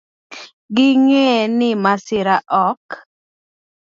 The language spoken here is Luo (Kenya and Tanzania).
Ging'e ni masira ok